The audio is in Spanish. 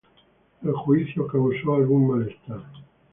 El juicio causó algún malestar.